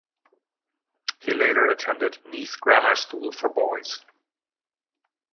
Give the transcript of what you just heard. He later attended Neath Grammar School for Boys.